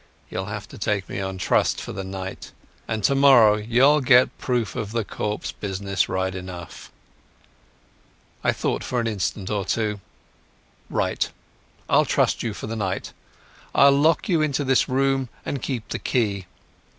You'll have to take me on trust for the night, and tomorrow you'll get proof of the corpse business right enough." I thought for an instant or two. "Right. I'll trust you for the night. I'll lock you into this room and keep the key.